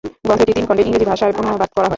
গ্রন্থটি তিন খন্ডে ইংরেজি ভাষায় অনুবাদ করা হয়।